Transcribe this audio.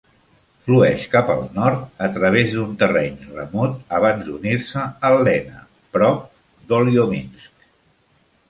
Flueix cap al nord a través d'un terreny remot abans d'unir-se al Lena, prop d'Olyominsk.